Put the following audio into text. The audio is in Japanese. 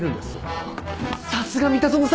さすが三田園さん！